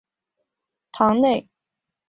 其遗体葬于堂内。